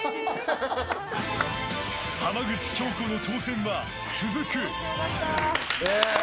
浜口京子の挑戦は続く！